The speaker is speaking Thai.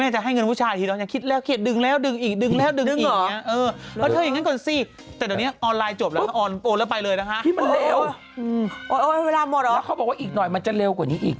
จะได้รู้สึกเวลาหยิบออกมาให้รู้สึก